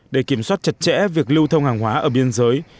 để kiểm soát chặt chẽ việc lưu thông hàng hóa ở biên giới